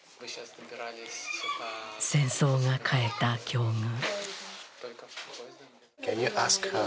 戦争が変えた境遇。